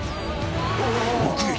「目撃！